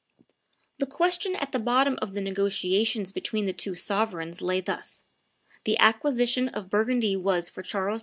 The question at the bottom of the negotiations between the two sovereigns lay thus: the acquisition of Burgundy was for Charles V.